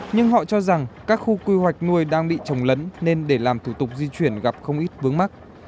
nhưng họ cho rằng các khu quy hoạch nuôi đang bị trồng lấn nên để làm thủ tục di chuyển gặp không ít vướng mắt